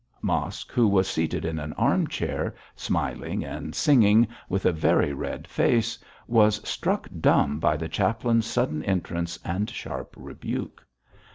Mosk, who was seated in an arm chair, smiling and singing, with a very red face, was struck dumb by the chaplain's sudden entrance and sharp rebuke.